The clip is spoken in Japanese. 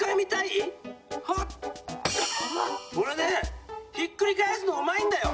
おれねひっくりかえすのうまいんだよ！